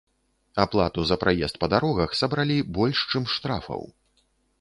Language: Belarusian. Аплату за праезд па дарогах сабралі больш, чым штрафаў.